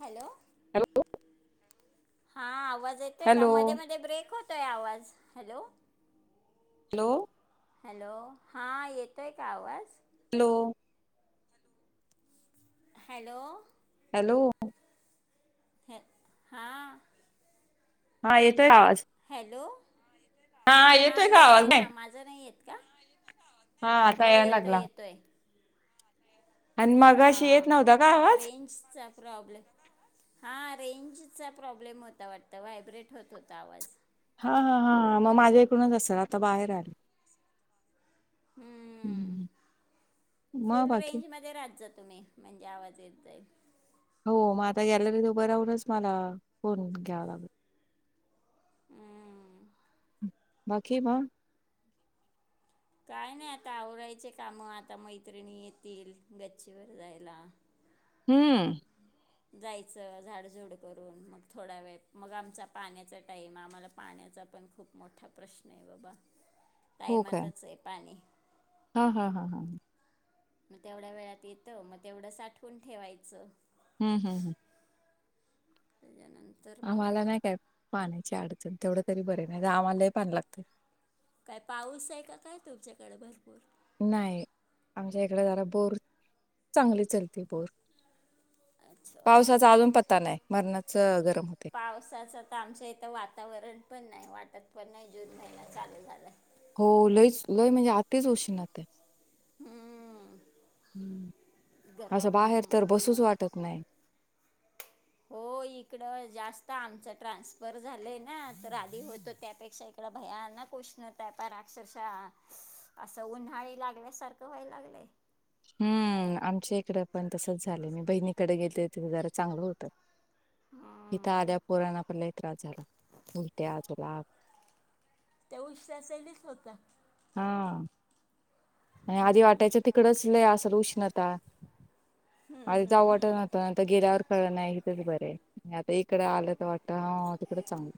Hello... hello हां... आवाज येतोय का... हॅलो मध्ये मध्ये ब्रेक होत येतोय आवाज... हॅलो हॅलो हॅलो... हा येतोय का आवाज? हॅलो हॅलो हॅलो हे... हा हा येतोय का आवाज? हॅलो... हा का आवाज येतोय नाही ना.. माझा नाही येत का? हा [unintelligible] आता हो यायला येतोय लागला येतोय आणि मगाशी हा... येत नव्हता का आवाज रेंजचा प्रॉब्लेम... हां... रेंजचा प्रॉब्लेम होता वाटतं... व्हायब्रेट होत होता आवाज हा हा हा हा... मग माझ्या इकडूनच असेल... आता बाहेर ए हम्म मग फुल बाकी रेंजमध्ये राहत जा, तुम्ही म्हणजे आवाज येत जाईल, हो मग आता, हम्म. बाकी मग. काय नाही आता आवरायचे काम आता मैत्रिणी येतील गच्चीवर जायला. हम्म. जायचं झाडझुड करून मग थोडा वेळ मग आमचा पाण्याचा टाइम आम्हाला पाण्याचा पण खूप मोठा प्रश्न आहे बाबा हो काय टायमातच आहे पाणी. हा हा हा हा मग तेवढ्या वेळात येत मग तेवढं साठवून ठेवायचं, [inaudible] [unintelligible] आम्हाला नाही काय पाण्याची अडचण तेवढं तरी बरे नाही आम्हालाही पाणी लागतय काय पाऊस आहे का काय तुमच्याकडे भरपूर नाही आमच्या इकडे झाला बोर चांगली चालते बोर अच्छा पावसाचा अजून पत्ता नाही मरणाच गरम होते पावसाच आता आमचं इथं वातावरण पण नाही वाटत पण नाही जून महिना चालू झालाय. हो लयच लय म्हणजे आताच उशीणत आहे हम्म. हम्म असं बाहेर तर गरम बसूच वाटत नाही. हो इकड जास्त आमच ट्रान्सफर झालंय ना तर आधी होतं त्यापेक्षा, तला भयांनाक उष्णताय पणार अक्षरशः असं उन्हाळी लागल्यासारखं व्हायला लागलंय हम्म आमच्या इकडें पण तसच झालं मी बहिणीकडे गेले तथ जरा चांगलं होतं इथ हम्म. आध्या पोराना पलाही त्रास झाला उलट्या आजूला त्याऊ शासैलीच होत हा आणि आधी वाटायच्या तिकडच ल असर उष्णता अ जा वाट नाताता गेल्यावर कळ नाही इथेच बरे आहे आता इकडं आलं तर वाटत ह तिकड चांगलं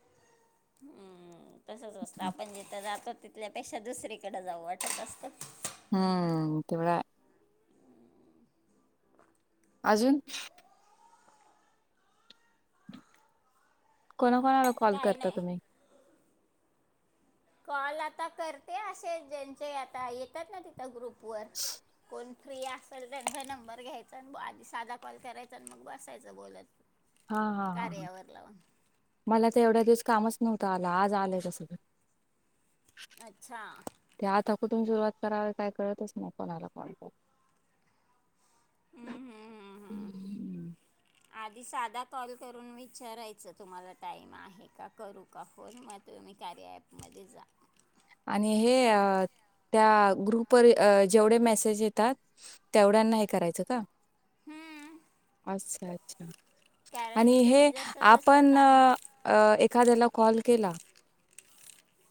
तसच असतं आपण जिथं जातो तिथल्यापेक्षा दुसरीकडे जाऊ वाटत असत हम्म तेवला अजून कोणा कोणाला कॉल काय करता नाही. तुम्ही कॉल आता करते असे ज्यांचे आता येतात ना तिथं ग्रुपवर कोण फ्री असेल त्या नंबर घ्यायचा आणि आधी साधा कॉल करायचा आणि मग बसायचं बोत हा हा हा हा मला तर एवढ्या दिवस कामच नव्हतं आला आज आलंय तसं अच्छा ते आत कुठून सुरुवात करावे काय कळतच न कोलायला कॉल कर हम्म हम्म हम्म. आधी साधा कॉल करून विचारायचं तुम्हाला टाइम आहे का करू का फोन मत तर म्ही कार्या ॲपमध्ये जा आणि हे त्या ग्रुप जेवढे मेसेज येतात तेवढ्यांना हे करायचं का हम्म. अच्छा अच्छा कारण आणि तुम्ही हे जसं जसं आपण काम अ एखाद्याला कॉल केला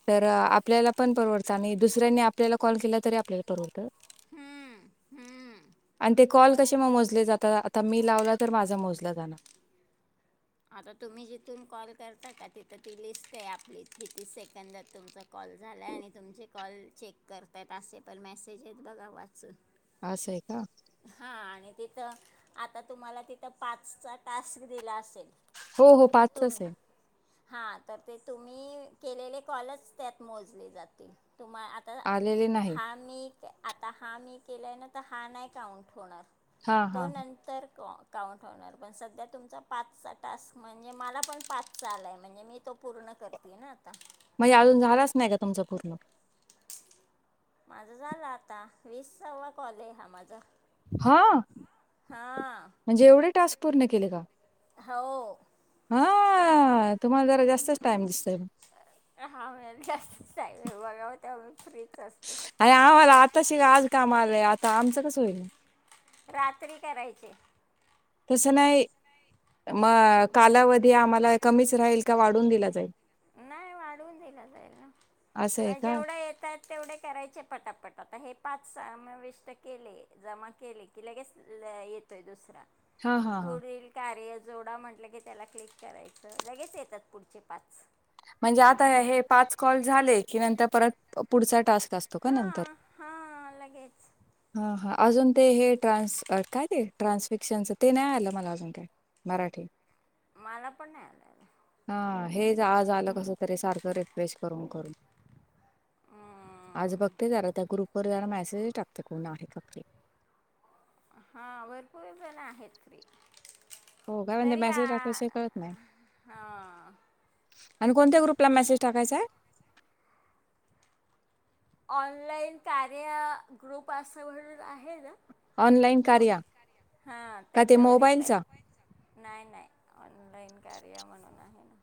तर आपल्याला पण परवडतं आणि दुसऱ्यांनी आपल्याला कॉल केला तरी आपल्याला परवडतं हम्म हम्म आणि ते कॉल कसे मग मोजले जातात आता मी लावला तर माझा मोजला जाणार आता तुम्ही जिथून कॉल करता का तिथं ती लिस्ट आहे आपलीच किती सेकंदात तुमचं कॉल झाला आहे आणि तुमचे कॉल चेक करतात असे पण मेसेज आहेत बघा वाचून आश आहे का हा आणि तिथं आता तुम्हाला तिथं पाचचा टास्क दिला असेल हो हो तत्ो म पाचच आहे हां तर ते तुम्ही केलेले कॉलच त्यात मोजले जातील तुम्हा आ तर आलेले नाही. हा मी आता हा मी केलाय ना तर हा नाही काउंट होणार हां तो हां नंतर अकाउंट होणार पण सध्या तुमचा पाचचा टास्क म्हणजे मला पण पाच चा आला आहे म्हणजे मी तो पूर्ण करतेय ना आता म्हणजे अजून झालाच नाही का तुमचं पूर्ण माझं झालं आता वीस सव्वा कॉल हा माझा हा हां म्हणजे एवढे टास्क पूर्ण केले का हो हा तुम्हाला जरा जास्तच टाइम दिसतोय मग हा मलस् टईम बघाव तेव्हा मी फ्रीच असते अरे आम्हाला आता शिवा आज काम आलंय आता आमचं कस होईल रात्र्री का रयची तसं नाही मग कालावधी आम्हाला कमीच राहील का वाढून दिला जाईल नाही वाढव दिला जाईल ना असं आहे किंवा का? जेवढं येतात तेवढे करायचे पटापट आता हे पाच समाविष्ट केले जमा केले की लगेच येतोय दुसरा हा हा हा. पुढील कार्य जोडा म्हटलं की त्याला क्लिक करायचं लगेच येतात पुढचे पाच म्हणजे आता हे पाच कॉल झाले की नंतर परत पुढचा टास्क असतो का हा नंतर? हा लगेच हां हां अजून ते हे ट्रान्स काय ते ट्रान्सफिक्शनचं ते नाही आलं मला अजून काय मराठी मला पण नाही आलेलं. हा हेच आज आलं कस तरी सारखं रिफ्रेश करून करून. आज हम्म. बघते जरा त्या ग्रुपवर जरा मेसेजच टाकते. कोण आहे का फ्री? हा भरपूर जण आहेत फ्री. हो काय म्हणते तरी मेसेज आ टाकायचे कळत नाही हा आणि कोणत्या ग्रुपला मेसेज टाकायचांय. ऑनलाइन कार्य ग्रुप असं म्हणून आहे ना? ऑनलाईन कारीया. हा त्याच्यावर याता. नाही नाही ऑनलाईन कार्या म्हणून आहे ना.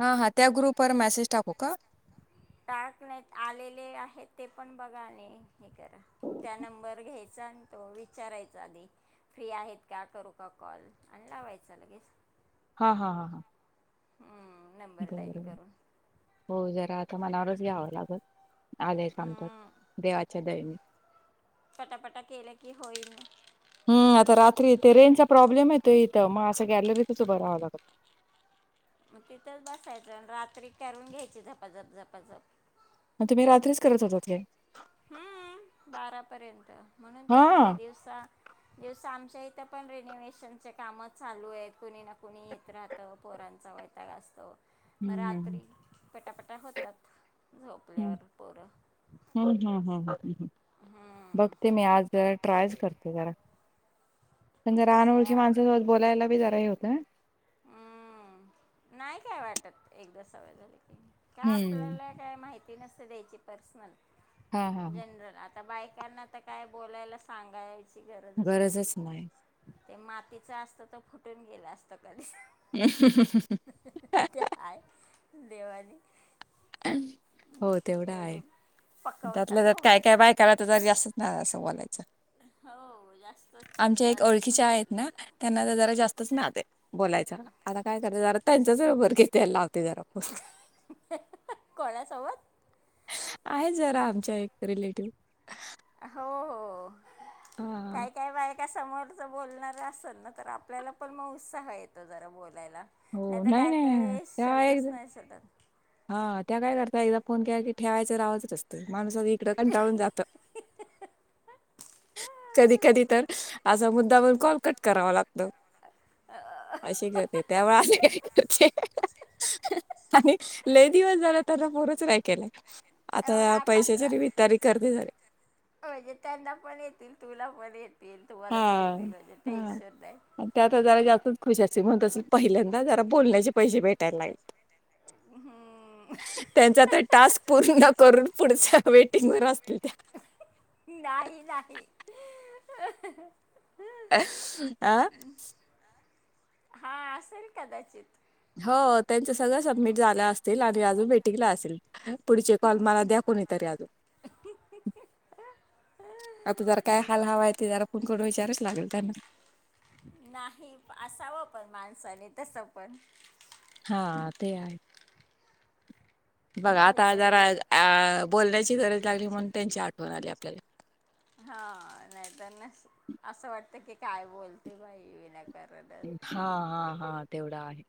हा हा त्या ग्रुप वर मेसेज टाकू का? टाकण्यात आलेले आहेत ते पण बघाणे. हे करा त्या नंबर घ्यायचा अन तो विचारायचा आधी फ्री आहेत का करू का कॉल आणि लावायचा लगेच हा हा हा हा हम बर हो जरा आता मनावरच घ्यावं लागल आलंय काम तर हम्म, देवाच्या दयनी. पटापटा केले की होईल न. हम्म आता रात्री इथे रेंजचा प्रॉब्लेम यतो इथं म असं गॅलरीतच उभं राहाव लागलं. मग तिथंच बसायचं आणि रात्री करून घ्यायची झपाझप झपाझप. मग तुम्ही रात्रीच करत होतात काय? हम्म बारापर्यंत म्हणून तर हा झाले दिवसा दिवसा आमच्या इथं पण रेनोवेशनचे काम चालू आहेत कोणी ना कोणी येत राहतं पोरांच व त असतो हम्म हम्म रात्री पटापटा होतात. हम्म झोपल्यावर पोरं. हम्म हम्म हम्म हम्म बघते मी आज जरा ट्रायच करत जरा पण आता जरा पण कसं अनोळखी आहे माणसासोबत बोलायला बी जरा हे होत [unintelligible] हम्म नाही काय वाटत एकदा सवय झाले की का हम्म. आपल्याला काय माहिती नसते द्यायची पर्सनल हा हा. हा. जनरल आ आता बायकांना तर काय बोलायला सांगायची गरज नाय. गरजच नाही. ते मातीच असत तर फुटून गेलं असत कधीच. [inaudible] त्याय देवाली. हो तेवढा आहे. एवढी त्यातलं पकवतात त्यात हो काय काय बायका बा त्याला तर जरी जास्तच नाही असं बोलायचं. हो जास्त आमच्या छंद एक असतो ओळखीच्या आहेत ना चगलीला. त्यांना जरा जास्तच नाद ये. बोलायचा आता काय [unintelligible] जरा त्यांचाचरोबर घेती लावते जरा कोणासोबत? आहे जरा आमच्या एक रिलेटिव्ह. हो हो. हा. काय काय बायका समोरचं बोलणार असल ना तर आपल्याला पण मग उत्साह येतो जरा बोलायला. हो नाही तर काय नाही काही त्या शब्दच एकदा नाही शोधत. हा त्या काय करता एकदा फोन के की ठेवायचं राह [unintelligible] माणूस आ इकडे कंटाळून जातं. कधी कधी तर असा मुद्दा पण कॉलकट करावा लागतो. [inaudible] अशी करते त्यावेळ [unintelligible] आणि लई दिवस झाला त्यांना फोनच नाही केलाय आता पैशाच्या निमित्ताने करते झाली. म्हणजे त्यांना पण येतील तुला पण येतील तुम्हांला पण येतील म्हणजे ते टेंशन नाय. त्यात जरा जास्तच खुश असतील म्हणून त्यासनी पहिल्यांदा जरा बोलण्याचे पैसे भेटायला लागलेत. ह्. हम्म. त्यांचा तर टास्क पूर्ण करून पुढच्या वेटिंग वर असतील त्या नाही नाही. आ? हा असेल कदाचित हो त्यांच सगळं सबमिट झालं असतील आणि अजून वेटींगला असेल. पुढचे कॉल मला द्या कुणीतरी अजून आता जरा काय हाल हवा आहे ते जरा फोन करून विचारावं लागल त्यांना नाही असावं पण माणसाने तसं पण हा ते आहे. बघा आता काहीतरी जरा वे अ बोलण्याची गरज लागली म्हणून त्यांची आठवण आली आपल्याला हा नाहीतर न असं वाटत की काय बोलते बाई विना कॅरडल. हा हा हा तेवढा आहे.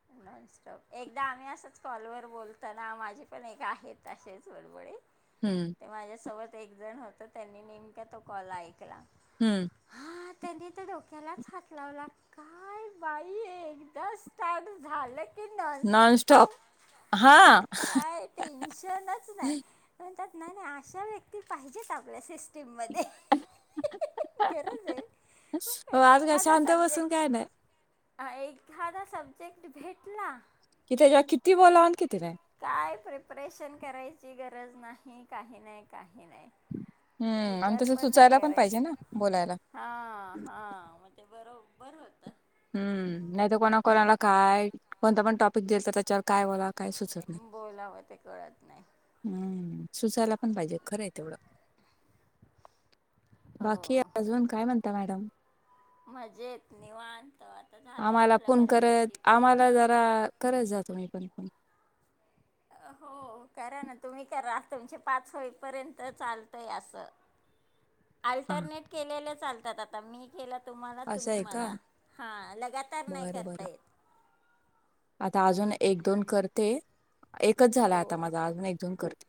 [inaudible] एकदा आम्ही असंच कॉलवर बोलताना माझे पण एक आहेत असेच वळबळी हम्म. ते माझ्यासोबत एक जण होतं त्यांनी नेमक तो कॉल ऐकला. हम्म. हा त्यांनी त्या डोक्यालाच हात लावला काय बाई ही एकदस पाठ झालं की नस्त नॉनस्टॉप हां. राईट टेन्शनचं नाय म्हणतात ना अशा व्यक्ती पाहिजेत आपल्या सिस्टीममध्ये. गरजय, हो, आज काय एखादा शांत बसून सब्जेक्ट काय नाही, हा एखादा सब्जेक्ट भेटला. कि त्याच्या किती बोलाव किती नाय? काय प्रेपरेशन करायची गरज नाही काही नाही, काही नाही. हम्म आणि विचार तसं सुचायला पण पाहिजे ना बोलायला. हा, हा म ते बरोबर होत. हम्म नाही तर कोणा कोणाला काय कोणता पण टॉपिक दिले तर त्यांच्यावर काय बोलाव? बोलावं ते कळत नाय. सुचायला. ते पण पाहिजे खरं आहे तेवढं, बाकी हो अजून काय म्हणता मॅडम? मजेत निवांत आता झालाय आपला बऱ्यापैकी टाईम. अ करायच तुम्ही पण. हो करा ना तुम्ही करा तुमचे पाच होईपर्यंत चालतंय असं. हा अल्टरनेट केलेले चालतात, आता मी केला तुम्हाला असं तुम्ही आहे का मला हा, लगातार नाही बरं करता बरं येत. आता अजून एक दोन करते. एकच झाला आता हो माझा अजून एकदोन करते,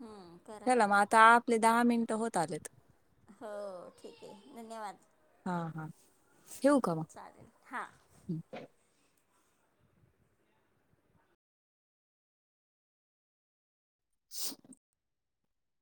हं, करा चला म आ आपले दहा मिनट हो हो ठीक आहे धन्यवाद. हां हां ठेवू का मग चालेल हा. [inaudible] [unintelligible]